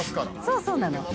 そうそうなのよ。